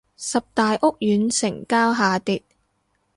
十大屋苑成交下跌